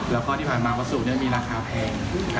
แล้วข้อที่ผ่านมาประสูรมีราคาแพง